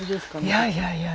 いやいやいや。